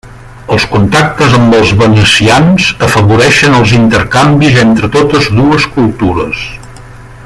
Els contactes amb els venecians afavoreixen els intercanvis entre totes dues cultures.